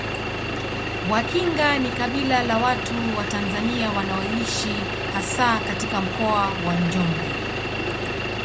Wakinga ni kabila la watu wa Tanzania wanaoishi hasa katika Mkoa wa Njombe